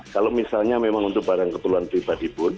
kalau misalnya memang untuk barang keperluan pribadi pun